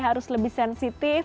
harus lebih sensitif